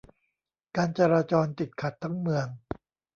การจราจรติดขัดทั้งเมือง